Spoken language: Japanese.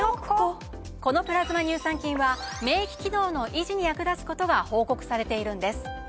このプラズマ乳酸菌は免疫機能の維持に役立つことが報告されているんです。